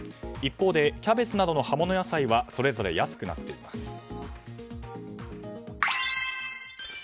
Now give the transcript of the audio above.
一方でキャベツなどの葉物野菜はそれぞれ安くなっています。